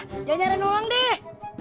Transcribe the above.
jangan nyariin orang deh